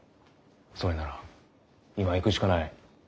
それなら今行くしかない。